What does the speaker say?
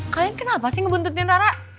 kalian kenapa sih ngebuntutin rara